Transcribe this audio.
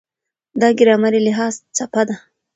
دا ګرامري لحاظ څپه ده.